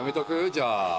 じゃあ。